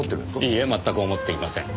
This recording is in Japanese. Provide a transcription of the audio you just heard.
いいえ全く思っていません。